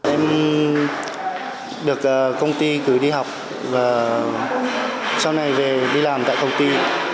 em được công ty cử đi học và sau này về đi làm tại công ty